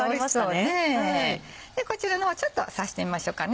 こちらの方ちょっと刺してみましょうかね。